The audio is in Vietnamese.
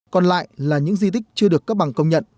còn lại là những di tích chưa được cấp bằng công nhận